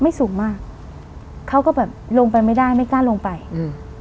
สูงมากเขาก็แบบลงไปไม่ได้ไม่กล้าลงไปอืม